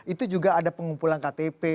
itu juga ada pengumpulan ktp